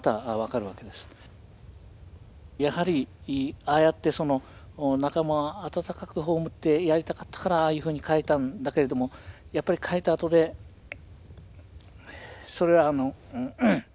やはりああやってその仲間を温かく葬ってやりたかったからああいうふうに描いたんだけれどもやっぱり描いたあとでそれはあの